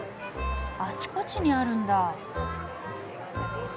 あちこちにあるんだ。